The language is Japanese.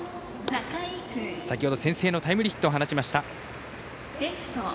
仲井、先程、先制のタイムリーヒットを放ちました。